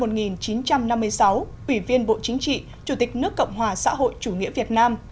ủy viên bộ chính trị chủ tịch nước cộng hòa xã hội chủ nghĩa việt nam